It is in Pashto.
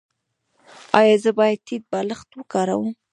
ایا زه باید ټیټ بالښت وکاروم؟